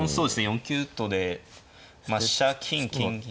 ４九とで飛車金金銀。